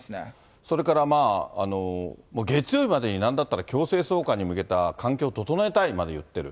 それから月曜日までになんだったら強制送還に向けた環境を整えたいまで言っている。